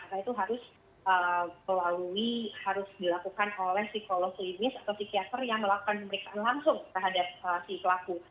karena itu harus dilakukan oleh psikolog klinis atau psikiater yang melakukan pemeriksaan langsung terhadap si kelaku